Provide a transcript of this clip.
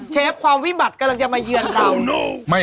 เชฟความวิบัติกำลังจะมาเยือนเรา